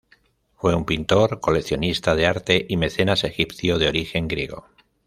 Fue un pintor, coleccionista de arte y mecenas egipcio de origen griego.